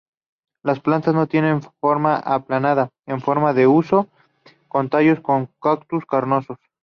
Las plantas tienen forma aplanada, en forma de huso, con tallos como cactus carnosos.